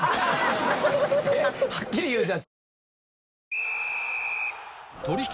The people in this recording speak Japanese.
はっきり言うじゃん。